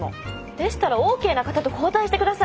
でしたらＯＫな方と交代して下さい。